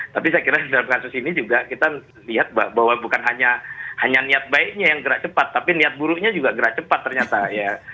tapi saya kira dalam kasus ini juga kita lihat bahwa bukan hanya niat baiknya yang gerak cepat tapi niat buruknya juga gerak cepat ternyata ya